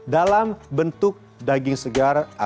dalam bentuk daging segar atau daging olahan